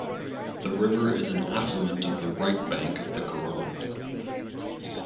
The river is an affluent of the right bank of the Gironde.